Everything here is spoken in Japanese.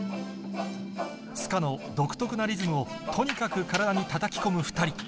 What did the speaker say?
スカの独特なリズムをとにかく体にたたき込む２人。